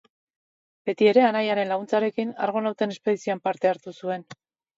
Beti bere anaiaren laguntzarekin, argonauten espedizioan parte hartu zuen.